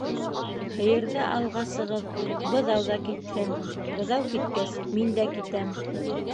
- Һыйырҙы алғасығыҙ, быҙау ҙа китһен, быҙау киткәс, мин дә китәм.